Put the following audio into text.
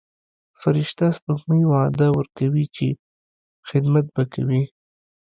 فرشته سپوږمۍ وعده ورکوي چې خدمت به کوي.